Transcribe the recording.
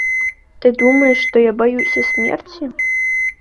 Ты думаеш, што я баюся смерці?